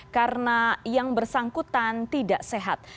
karena yang bersangkutan tidak sehat